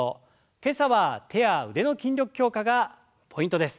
今朝は手や腕の筋力強化がポイントです。